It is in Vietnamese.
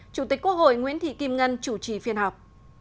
chủ tịch quốc hội nguyễn thị kim ngân chủ trì phiên họp